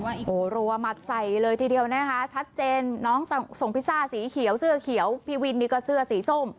โอ้โหรัวหมัดใส่เลยทีเดียวนะคะชัดเจนน้องส่งพิซซ่าสีเขียวเสื้อเขียวพี่วินนี่ก็เสื้อสีส้ม